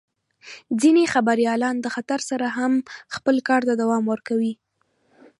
ځینې خبریالان د خطر سره هم خپل کار ته دوام ورکوي.